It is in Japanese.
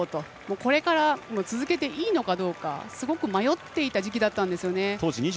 これから、続けていいのかどうかすごく迷っていた時期だったんですよね。